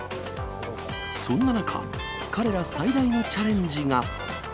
そんな中、彼ら最大のチャレンジが。